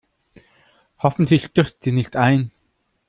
Hoffentlich stürzt sie nicht ein.